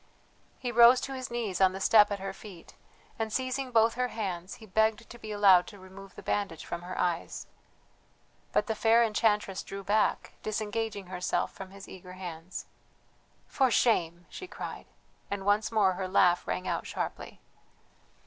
He rose to his knees on the step at her feet and, seizing both her hands, he begged to be allowed to remove the bandage from her eyes. But the fair enchantress drew back, disengaging herself from his eager hands. "For shame!" she cried, and once more her laugh rang out sharply.